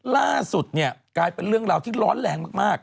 ล่าสุดเนี่ยกลายเป็นเรื่องราวที่ร้อนแรงมาก